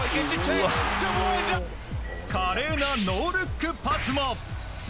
華麗なノールックパスも。